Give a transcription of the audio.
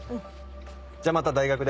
じゃあまた大学で。